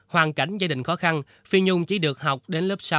hoàn cảnh gia đình khó khăn phi nhung chỉ được học đến lớp sáu